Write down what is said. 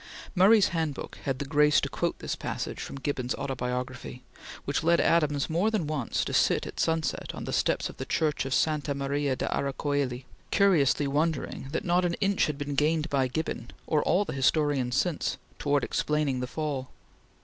Murray's Handbook had the grace to quote this passage from Gibbon's "Autobiography," which led Adams more than once to sit at sunset on the steps of the Church of Santa Maria di Ara Coeli, curiously wondering that not an inch had been gained by Gibbon or all the historians since towards explaining the Fall.